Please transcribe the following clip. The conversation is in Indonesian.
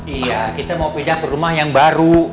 iya kita mau pindah ke rumah yang baru